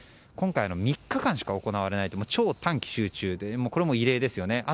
今回、３日間しか行われない超短期集中でこれも異例ですよね。